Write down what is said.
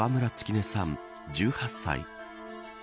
音さん、１８歳。